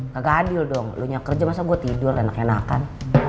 kagak adil dong lu nyak kerja masa gua tidur dan enakan enakan